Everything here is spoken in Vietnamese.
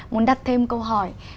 muốn đặt thêm câu hỏi